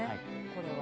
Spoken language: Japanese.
「これは」